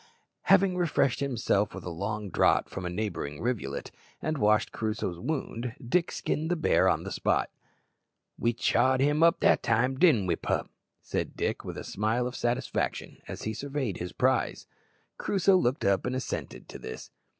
Having refreshed himself with a long draught from a neighbouring rivulet, and washed Crusoe's wound, Dick skinned the bear on the spot. "We chawed him up that time, didn't we, pup?" said Dick, with a smile of satisfaction, as he surveyed his prize. Crusoe looked up and assented to this.